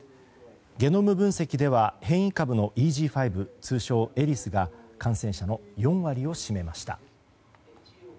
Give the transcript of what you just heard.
ゲノム分析では変異株のＥＧ．５通称エリスが感染者の４割を占めました。